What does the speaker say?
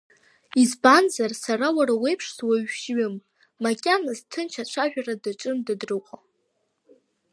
Избанзар, сара уара уеиԥш суаҩшьҩым, макьаназ ҭынч ацәажәара даҿын Дадрыҟәа.